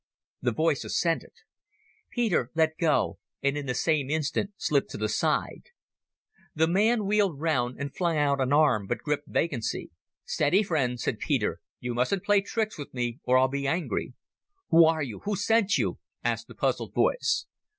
The voice assented. Peter let go, and in the same instant slipped to the side. The man wheeled round and flung out an arm but gripped vacancy. "Steady, friend," said Peter; "you mustn't play tricks with me or I'll be angry." "Who are you? Who sent you?" asked the puzzled voice.